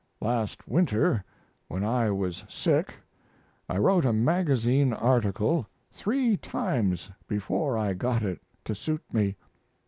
Last winter when I was sick I wrote a magazine article three times before I got it to suit me.